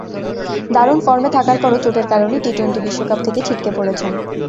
দারুণ ফর্মে থাকার পরও চোটের কারণে টি-টোয়েন্টি বিশ্বকাপ থেকে ছিটকে পড়েছেন।